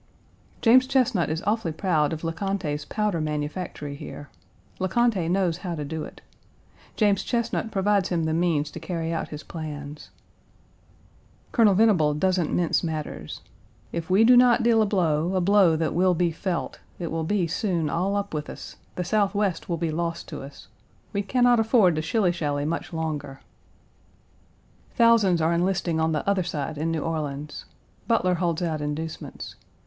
James Chesnut is awfully proud of Le Conte's powder manufactory here. Le Conte knows how to do it. James Chesnut provides him the means to carry out his plans. Colonel Venable doesn't mince matters: "If we do not deal a blow, a blow that will be felt, it will be soon all up with us. I he Southwest will be lost to us. We can not afford to shilly shally much longer." Page 188 Thousands are enlisting on the other side in New Orleans. Butler holds out inducements.